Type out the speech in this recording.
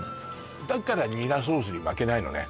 だからニラソースに負けないのね